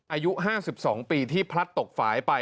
อายุ๕๒ปีที่พลัดตกฝ่ายไป